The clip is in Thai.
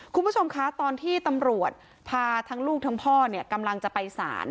คุณผู้ชมคะตอนที่ตำรวจพาทั้งลูกทั้งพ่อเนี่ยกำลังจะไปศาล